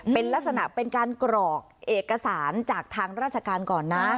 เป็นลักษณะเป็นการกรอกเอกสารจากทางราชการก่อนนะ